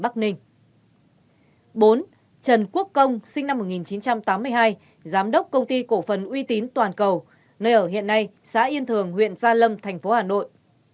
bốn trần quốc công sinh năm một nghìn chín trăm tám mươi hai giám đốc công ty cổ phần uy tín toàn cầu nơi ở hiện nay xã yên thường huyện gia lâm thành phố hà nội